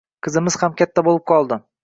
Qizimiz ham katta boʻlib qoldi